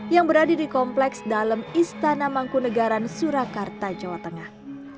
yang berada di kompleks dalam istana mangkunagaran surakarta jawa tengah